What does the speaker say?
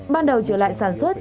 ban đầu trở lại sản xuất